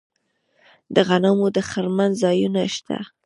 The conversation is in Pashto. د غنمو د خرمن ځایونه شته.